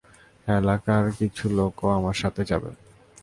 এলাকার কিছু লোকও আমার সাথে যাবে।